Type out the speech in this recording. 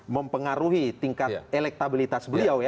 mempengaruhi tingkat elektabilitas beliau